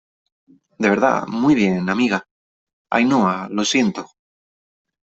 de verdad , muy bien , amiga . Ainhoa , lo siento .